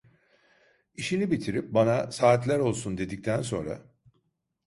İşini bitirip bana "Saatler olsun" dedikten sonra: